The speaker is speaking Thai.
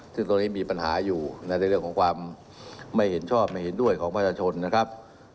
ซึ่งตรงนี้มีปัญหาอยู่ในเรื่องของความไม่เห็นชอบไม่เห็นด้วยของประชาชนนะครับ